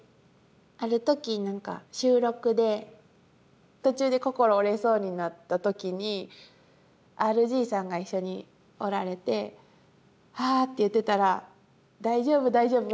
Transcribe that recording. ある時収録で途中で心折れそうになった時にＲＧさんが一緒におられて「はあ」って言ってたら「大丈夫大丈夫。